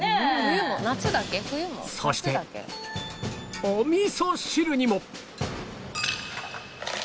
そしてお味噌汁にも